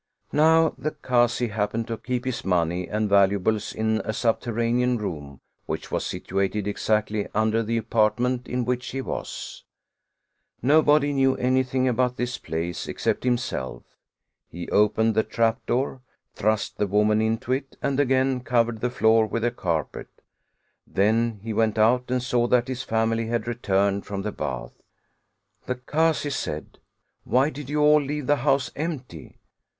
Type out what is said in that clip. Now the Kazi happened to keep his money and valuables in a subterranean room which was situated exactly under the apartment in which he was. Nobody knew anything about this place except himself; he opened the trapdoor, thrust the woman into it and again covered the floor with the carpet; then he went out and saw that his family had returned from the bath. The Kazi said: "Why did you all leave the house empty?"